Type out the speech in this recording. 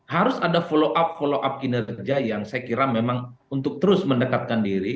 harus ada follow up follow up kinerja yang saya kira memang untuk terus mendekatkan diri